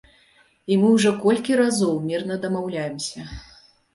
І мы ўжо колькі разоў мірна дамаўляемся.